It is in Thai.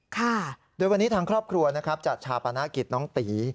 ค่ะโดยวันนี้ทางครอบครัวนะครับจัดชาปนกิจน้องตี